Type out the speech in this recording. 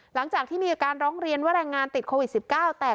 หลังจากที่มีอาการร้องเรียนว่าแรงงานติดโควิด๑๙แต่